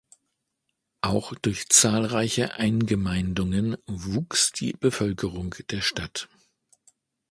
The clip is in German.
Auch durch zahlreiche Eingemeindungen wuchs die Bevölkerung der Stadt.